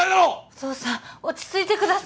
お父さん落ち着いてください